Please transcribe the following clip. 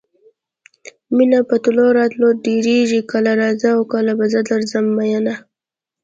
مینه په تلو راتلو ډېرېږي کله راځه او کله به زه درځم میینه.